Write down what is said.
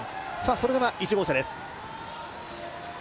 それでは１号車です。